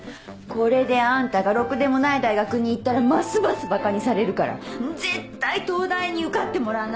これであんたがろくでもない大学に行ったらますますばかにされるから絶対東大に受かってもらわないと！